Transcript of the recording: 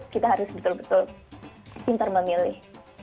kita harus betul betul pintar memilih